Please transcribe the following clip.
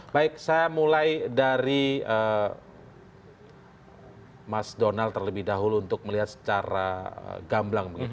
baik saya mulai dari mas donald terlebih dahulu untuk melihat secara gamblang